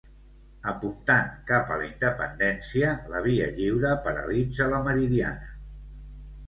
Apuntant cap a la Independència, la Via Lliure paralitza la Meridiana.